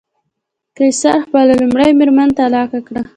قیصر خپله لومړۍ مېرمن طلاق کړه.